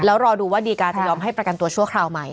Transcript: แล้วรอดูว่าดีการจะยอมให้ประกันตัวชั่วคราวไหม